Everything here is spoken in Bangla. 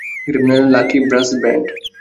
Lucky brass band!